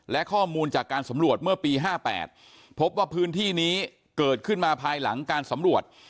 และข้อมูลจากการสำรวจเมื่อปี๕๘พบว่าพื้นที่นี้เกิดขึ้นมาภายหลังการสำรวจ